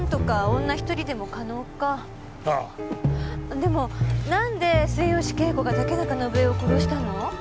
でも何で末吉恵子が竹中伸枝を殺したの？